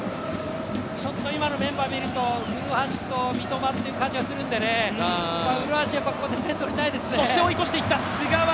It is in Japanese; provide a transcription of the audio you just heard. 今のメンバーを見ると古橋と三笘という感じがするんでね、古橋、ここで点取りたいですね。